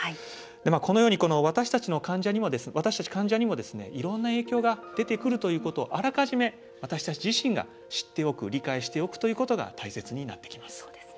このように私たち、患者にもいろんな影響が出てくるということをあらかじめ私たち自身が知っておく理解しておくということが大切になってきます。